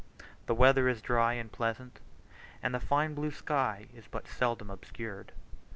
The weather is dry and pleasant, and the fine blue sky is but seldom obscured.